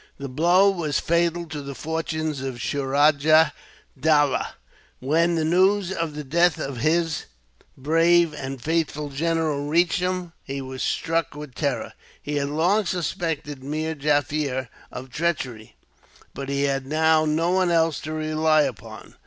This blow was fatal to the fortunes of Suraja Dowlah. When the news of the death of his brave and faithful general reached him, he was struck with terror. He had long suspected Meer Jaffier of treachery, but he had now no one else to rely upon.